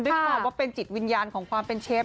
ด้วยความว่าเป็นจิตวิญญาณของความเป็นเชฟ